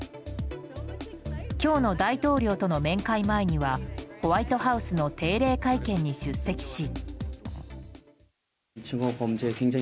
今日の大統領との面会前にはホワイトハウスの定例会見に出席し。